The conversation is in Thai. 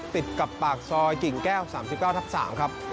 ติดกับปากซอยกิ่งแก้ว๓๙ทับ๓ครับ